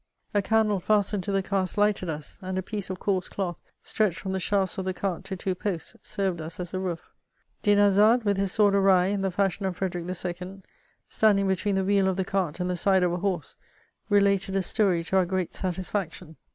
A candle festened to the cask lighted us, and a piece of coarse cloth, stretched from the shafts of the cart to two posts, served us as a roof. Dinarzade, with his sword awry, in the frtshion of Frederick II., standing between the wheel of the cart and the side of a horse, related a story to our great satisfaction.